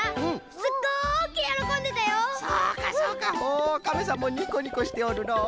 おカメさんもニコニコしておるのう。